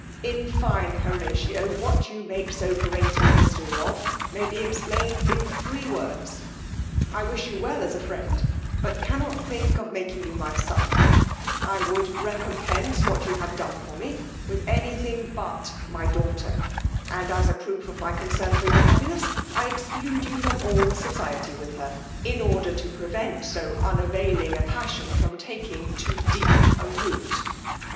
In fine, Horatio, what you make so great a mystery of, may be explained in three words: I wish you well as a friend, but cannot think of making you my son: I would recompence what you have done for me with any thing but my daughter, and as a proof of my concern for your happiness, I exclude you from all society with her, in order to prevent so unavailing a passion from taking too deep a root.